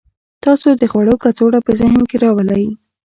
تاسو د خوړو کڅوړه په ذهن کې راولئ